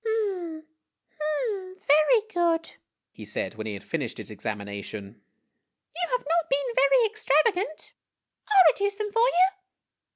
" Hm hm very good!" he said, when he had finished his examination. " You have not been very extravagant. I '11 reduce them for you